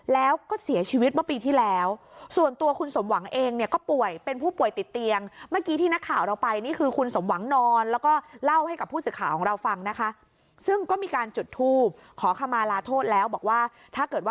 แล้วก็เสียชีวิตเมื่อปีที่แล้วส่วนตัวคุณสมหวังเองเนี่ยก็ป่วย